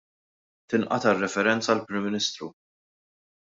Tinqata' r-referenza għall-Prim Ministru.